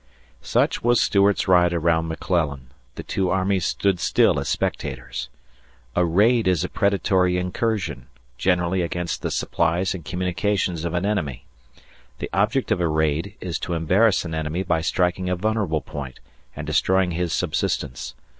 Such was Stuart's ride around McClellan; the two armies stood still as spectators. A raid is a predatory incursion, generally against the supplies and communications of an enemy. The object of a raid is to embarrass an enemy by striking a vulnerable point and destroying his subsistence.